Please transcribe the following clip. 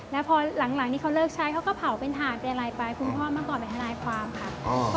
แล้วพอหลังที่เขาเลิกใช้เขาก็เผาเป็นถ่านเป็นอะไรไปคุณพ่อเมื่อก่อนเป็นทนายความค่ะ